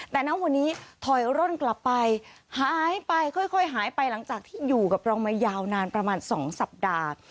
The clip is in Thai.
แต่ณวันนี้ถอยร่นกลับไปหายไปค่อยหายไปหลังจากที่อยู่กับเรามายาวนานประมาณ๒สัปดาห์